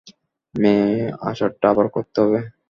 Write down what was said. মেই, আচারটা আবার করতে হবে।